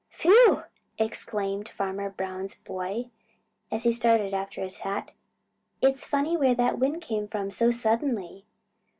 "Phew!" exclaimed Farmer Brown's boy, as he started after his hat. "It's funny where that wind came from so suddenly!"